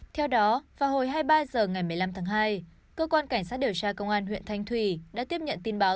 theo đó vào hồi hai mươi ba h ngày một mươi năm tháng hai cơ quan cảnh sát điều tra công an huyện thanh thủy đã tiếp nhận tin báo